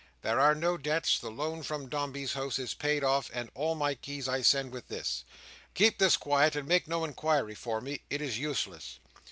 There are no debts, the loan from Dombey's House is paid off and all my keys I send with this. Keep this quiet, and make no inquiry for me; it is useless.